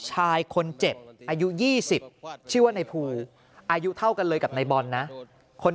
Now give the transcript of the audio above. ชายคนเจ็บอายุ๒๐ชื่อว่าในภูอายุเท่ากันเลยกับในบอลนะคน